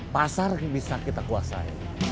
pasar bisa kita kuasai